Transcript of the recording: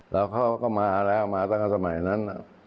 แล้วเขาก็มาแล้วมาตั้งแต่สมัยนั้น